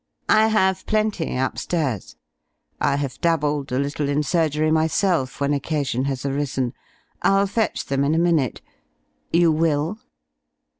"I have plenty upstairs. I have dabbled a little in surgery myself, when occasion has arisen. I'll fetch them in a minute. You will?"